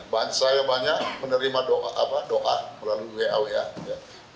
bahan saya banyak menerima doa melalui waw